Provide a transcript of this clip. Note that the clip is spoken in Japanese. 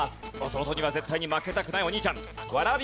弟には絶対に負けたくないお兄ちゃん。